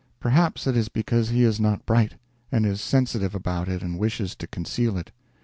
Perhaps it is because he is not bright, and is sensitive about it and wishes to conceal it.